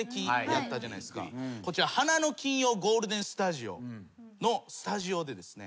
こちら『花の金曜ゴールデンスタジオ』のスタジオでですね